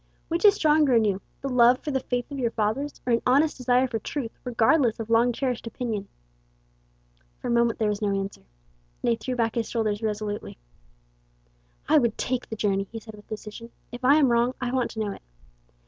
Which is stronger in you, the love for the faith of your fathers, or an honest desire for Truth, regardless of long cherished opinion?" For a moment there was no answer. Then he threw back his shoulders resolutely. "I would take the journey," he said, with decision. "If I am wrong I want to know it."